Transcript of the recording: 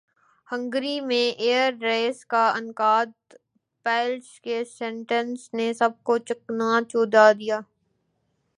Hungary میں air race کا انعقادپائلٹس کے سٹنٹس نے سب کو چونکا دیا